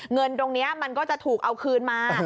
เงินตรงนี้มันก็จะถูกเอาคืนมา